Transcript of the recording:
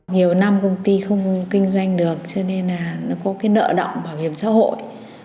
nhiều năm công ty không kinh doanh được cho nên là nó có cái nợ động bảo hiểm xã hội